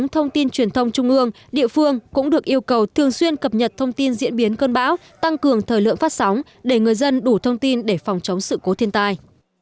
thông tin diễn biến cơn bão tăng cường thời lượng phát sóng để người dân đủ thông tin để phòng chống sự cố thiên tai